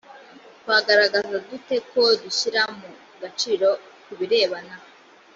twagaragaza dute ko dushyira mu gaciro ku birebana